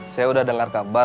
saya udah dengar kabar